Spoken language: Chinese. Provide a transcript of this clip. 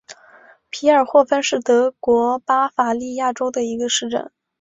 皮伦霍芬是德国巴伐利亚州的一个市镇。